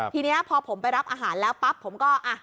ทีนี้พอผมไปรับอาหารแล้วปั๊บผมก็